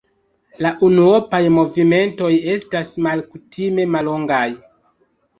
La unuopaj movimentoj estas malkutime mallongaj.